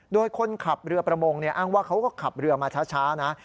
โดยคนขับเรือประมงอ้างว่าเขาก็ขับเรือมาช้านะ